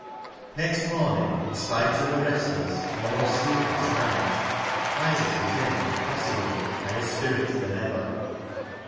Next morning, in spite of a restless, almost sleepless night, Isaac was in, if possible, higher spirits than ever.